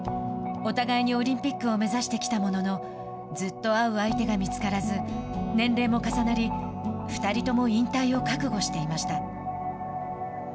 お互いにオリンピックを目指してきたもののずっと合う相手が見つからず年齢も重なり２人とも引退を覚悟していました。